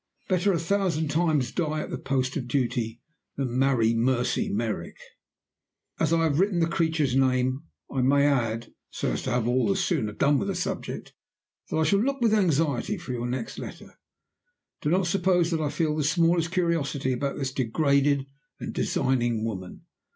Better a thousand times die at the post of duty than marry Mercy Merrick. "As I have written the creature's name, I may add so as to have all the sooner done with the subject that I shall look with anxiety for your next letter. Do not suppose that I feel the smallest curiosity about this degraded and designing woman.